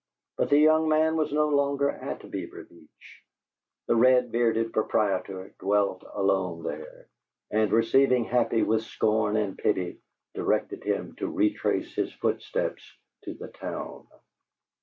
But the young man was no longer at Beaver Beach; the red bearded proprietor dwelt alone there, and, receiving Happy with scorn and pity, directed him to retrace his footsteps to the town.